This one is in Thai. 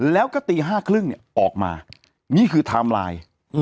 แล้วก็ตี๕๓๐ออกมานี่คือไทม์ไลน์